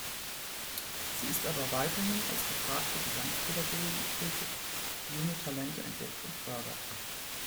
Sie ist aber weiterhin als gefragte Gesangspädagogin tätig, die junge Talente entdeckt und fördert.